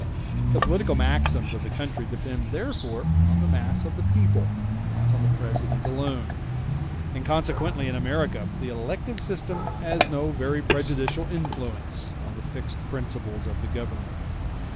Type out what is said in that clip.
The political maxims of the country depend therefore on the mass of the people, not on the President alone; and consequently in America the elective system has no very prejudicial influence on the fixed principles of the Government.